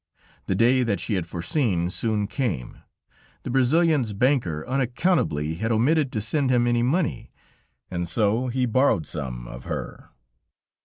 The day that she had foreseen soon came; the Brazilian's banker "unaccountably" had omitted to send him any money, and so he borrowed some of her.